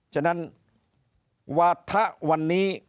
ฉะนั้นวัฒนธ์วันนี้